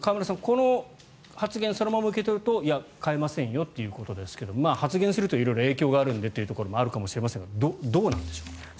この発言をそのまま受け取るといや、変えませんよということですが発言すると色々影響があるのでというところもあるかもしれませんがどうなんでしょう。